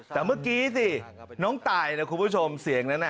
แต่เมื่อกี้สิน้องตายนะคุณผู้ชมเสียงนั้น